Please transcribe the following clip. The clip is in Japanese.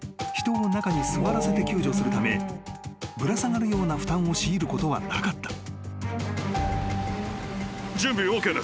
［人を中に座らせて救助するためぶら下がるような負担を強いることはなかった］